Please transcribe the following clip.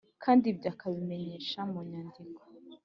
Kandi ibyo akabimenyesha mu nyandiko